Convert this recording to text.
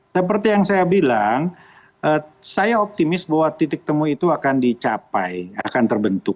seperti yang saya bilang saya optimis bahwa titik temu itu akan dicapai akan terbentuk